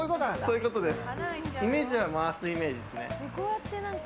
そういうことです。